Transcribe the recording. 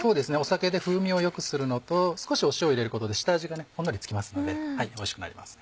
酒で風味を良くするのと少し塩を入れることで下味がほんのり付きますのでおいしくなります。